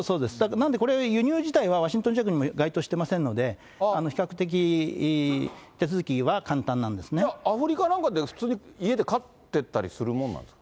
なんでこれ、輸入自体はワシントン条約にも該当してませんので、アフリカなんかで、家で飼ってたりするものなんですか？